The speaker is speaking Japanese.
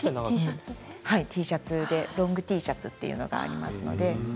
ＴシャツでロングＴシャツがありますので。